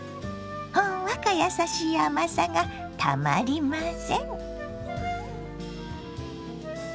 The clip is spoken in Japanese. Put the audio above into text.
ほんわかやさしい甘さがたまりません。